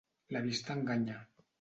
La vista enganya.